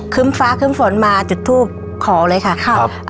คื้มฟ้าคื้มฝนมาจุดทุบขอเลยค่ะ